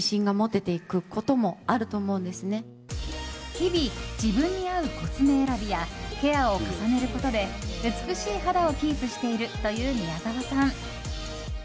日々、自分に合うコスメ選びやケアを重ねることで美しい肌をキープしているという宮沢さん。